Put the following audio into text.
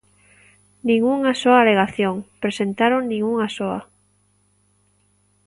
¡Nin unha soa alegación presentaron nin unha soa!